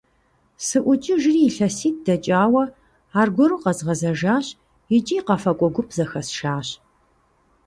СыӀукӀыжри, илъэситӀ дэкӀауэ аргуэру къэзгъэзэжащ икӀи къэфакӀуэ гуп зэхэсшащ.